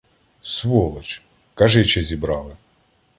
— Сволоч! Кажи, чи зібрали!